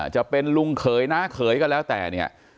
จะเป็นลุงเขยน้าเขยก็แล้วแต่เนี่ย